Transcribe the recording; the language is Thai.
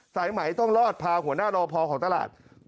สายไหมต้องรอดพาหัวหน้ารอพอของตลาด